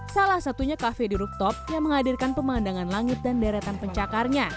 salah satunya kafe di rooftop yang menghadirkan pemandangan langit dan deretan pencakarnya